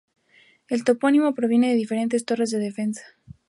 El topónimo proviene de las diferentes torres de defensa.